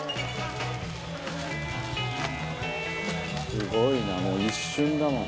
「すごいなもう一瞬だもん」